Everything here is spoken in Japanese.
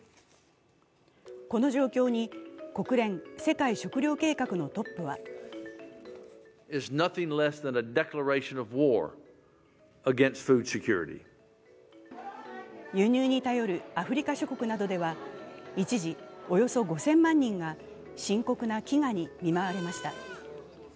この状況に国連世界食糧計画のトップは輸入に頼るアフリカ諸国などでは、一時およそ５０００万人が深刻な飢餓に見舞われました。